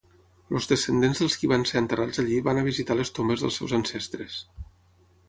Els descendents dels qui van ser enterrats allí van a visitar les tombes dels seus ancestres.